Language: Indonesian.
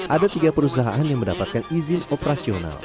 ada tiga perusahaan yang mendapatkan izin operasional